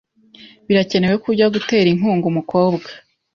Birakenewe ko ujya gutera inkunga umukobwa.